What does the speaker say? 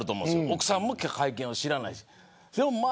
奥さまも会見を知らないし。